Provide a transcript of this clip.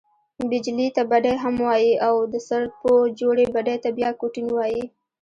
بیجلي ته بډۍ هم وايي او، د سرپو جوړي بډۍ ته بیا کوټین وايي.